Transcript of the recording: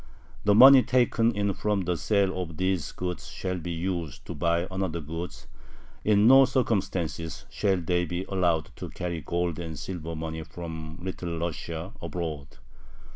The money taken in from the sale of these goods shall be used to buy other goods. In no circumstances shall they be allowed to carry gold and silver money from Little Russia abroad....